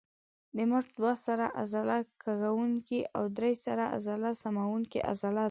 د مټ دوه سره عضله کږوونکې او درې سره عضله سموونکې عضله ده.